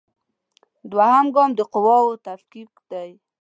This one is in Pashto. دوهم ګام د قواوو تفکیک دی.